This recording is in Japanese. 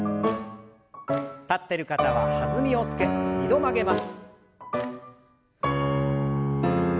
立ってる方は弾みをつけ２度曲げます。